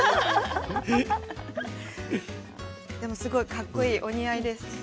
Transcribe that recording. かっこいい、お似合いです。